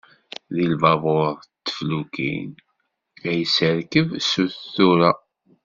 Di lbabur d teflukin, ad yesserkeb sut tura.